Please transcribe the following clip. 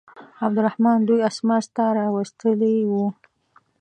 عبدالرحمن دوی اسماس ته راوستلي وه.